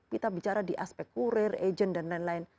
kita bicara di aspek kurir agent dan lain lain